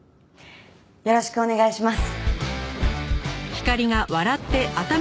よろしくお願いします。